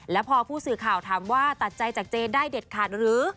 แล้วพอผู้สื่อข่าวถามว่าตัดใจจากเจได้เด็ดขาดหรือ